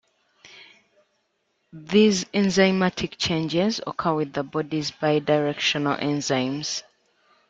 These enzymatic changes occur with the body's bidirectional enzymes.